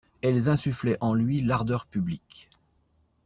Elles insufflaient en lui l'ardeur publique.